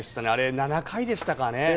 ７回でしたかね。